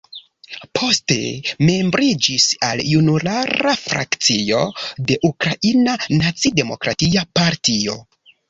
Poste membriĝis al Junulara Frakcio de Ukraina Naci-Demokratia Partio.